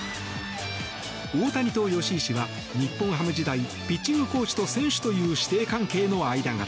大谷と吉井氏は日本ハム時代ピッチングコーチと選手という師弟関係の間柄。